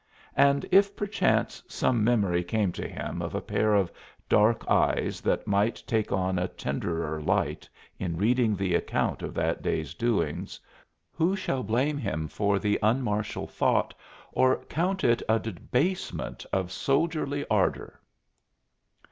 And if perchance some memory came to him of a pair of dark eyes that might take on a tenderer light in reading the account of that day's doings, who shall blame him for the unmartial thought or count it a debasement of soldierly ardor?